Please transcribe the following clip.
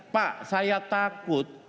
pak saya takut